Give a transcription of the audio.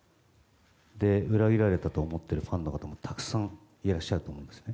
裏切られたと思っているファンの方もたくさんいらっしゃると思うんですね。